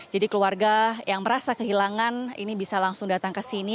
jadi keluarga yang merasa kehilangan ini bisa langsung datang ke sini